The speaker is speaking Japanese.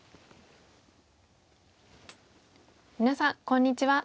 皆さんこんにちは。